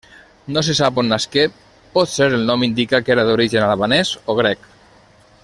No se sap on nasqué: potser el nom indica que era d'origen albanès o grec.